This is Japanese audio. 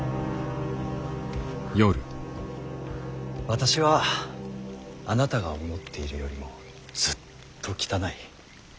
私はあなたが思っているよりもずっと汚い。